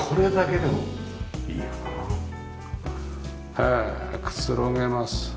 へえくつろげます。